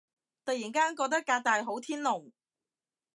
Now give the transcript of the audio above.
突然間覺得革大好天龍